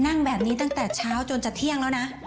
นั่งแบบนี้ตั้งแต่เช้าจนจะเที่ยงแล้วนะ